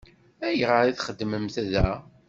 Ayɣer i txeddmemt da?